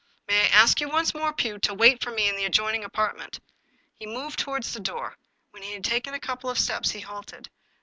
May I ask you once more, Pugh, to wait for me in the adjoining apartment? " He moved toward the door. When he had taken a couple of steps, he halted.